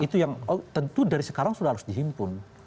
itu yang tentu dari sekarang sudah harus dihimpun